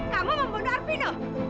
kamu membunuh arpino